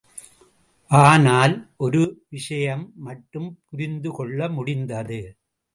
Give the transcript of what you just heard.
ஆனால், ஒரு விஷயம் மட்டும் புரிந்து கொள்ள முடிந்தது.